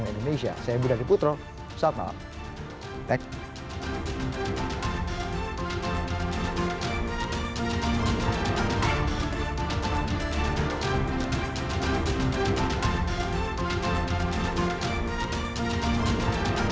mudah mudahan apa yang kita khawatirkan tidak terjadi